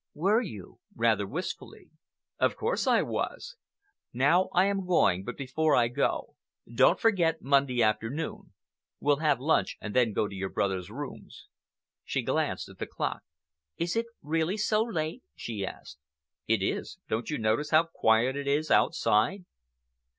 "Were you?"—rather wistfully. "Of course I was. Now I am going, but before I go, don't forget Monday afternoon. We'll have lunch and then go to your brother's rooms." She glanced at the clock. "Is it really so late?" she asked. "It is. Don't you notice how quiet it is outside?"